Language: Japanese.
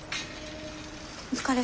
お疲れ。